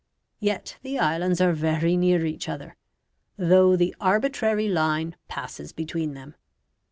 Yet the islands are very near each other, though the arbitrary line passes between them.